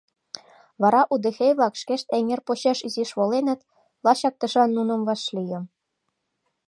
Вара удэхей-влак шкешт эҥер почеш изиш воленыт, лачак тышан нуным вашлийым.